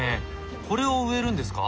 これを植えるんですか？